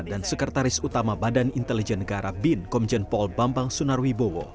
dan sekretaris utama badan intelijen negara bin komjen paul bambang sunarwi bowo